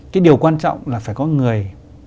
cái điều quan trọng là phải có người